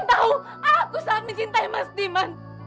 mbak kan tahu aku saat mencintai mas diman